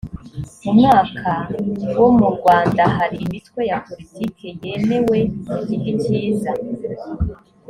mu mwaka w mu rwanda hari imitwe ya politiki yemewe mu gihe kiza